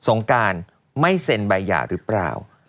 งการไม่เซ็นใบหย่าหรือเปล่า